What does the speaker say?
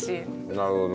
なるほどね。